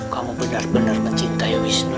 kamu benar benar mencintai wisnu